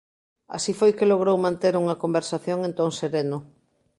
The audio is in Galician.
Así foi que logrou manter unha conversación en ton sereno.